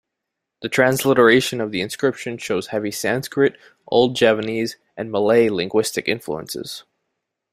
The transliteration of the inscription shows heavy Sanskrit, Old Javanese and Malay linguistic influences.